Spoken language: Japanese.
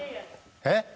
えっ？